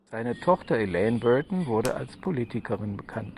Seine Tochter Elaine Burton wurde als Politikerin bekannt.